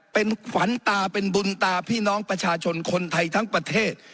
เป็นขวัญตาเป็นบุญตาพี่น้องประชาชนคนไทยทั้งประเทศ